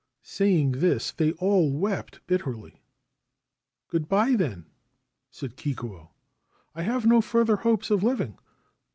Saying this, they all wept bitterly. * Good bye, then/ said Kikuo. ' I have no further hopes of living.